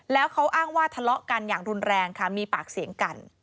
แล้วเขาอ้างว่าทะเลาะกันอย่างรุนแรงค่ะมีปากเสียงกัน